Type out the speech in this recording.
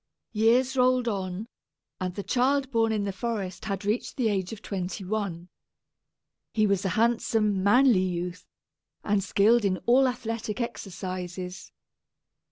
Years rolled on, and the child born in the forest had reached the age of twenty one. He was a handsome, manly youth, and skilled in all athletic exercises.